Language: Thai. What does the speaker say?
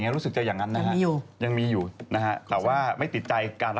เขาจะลาวันนี้พยาบาลขาด